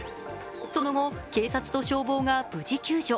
その後、警察と消防が無事救助。